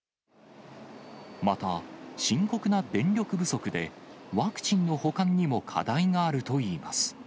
また深刻な電力不足で、ワクチンの保管にも課題があるといいます。